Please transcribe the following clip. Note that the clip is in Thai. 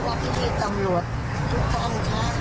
ต้องการตามคุณคราว